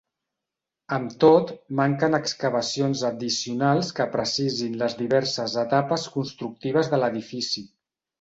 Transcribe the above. Amb tot, manquen excavacions addicionals que precisin les diverses etapes constructives de l'edifici.